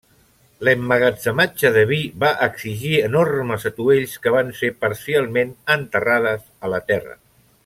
L'emmagatzematge de vi va exigir enormes atuells que van ser parcialment enterrades a la terra.